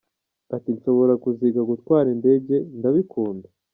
Ati “Nshobora kuziga gutwara indege, ndabikunda.